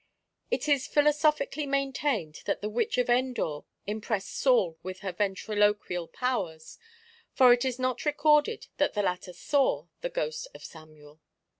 It is philosophically maintained that the Witch of Endor impressed Saul with her ventriloquial powers; for it is not recorded that the latter saw the ghost of Samuel.